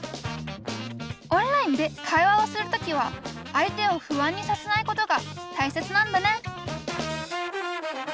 オンラインで会話をする時は相手を不安にさせないことがたいせつなんだね